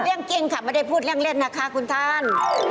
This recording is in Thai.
เรื่องจริงค่ะไม่ได้พูดเรื่องเล่นนะคะคุณท่าน